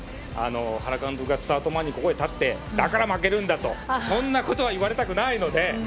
原監督がスタート前にここに立ってだから負けるんだとそんなことは言われたくないので。